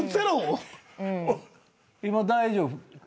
今大丈夫？